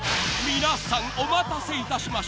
［皆さんお待たせいたしました］